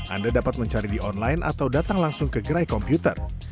anda dapat mencari di online atau datang langsung ke gerai komputer